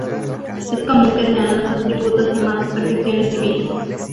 Es común que sean los atributos llamados perfecciones divinas.